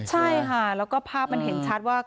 ใช่ค่ะแล้วก็ภาพมันเห็นชัดว่า